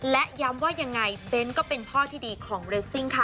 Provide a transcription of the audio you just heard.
และย้ำว่ายังไงเบ้นก็เป็นพ่อที่ดีของเรสซิ่งค่ะ